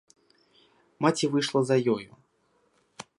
Маці выйшла за ёю.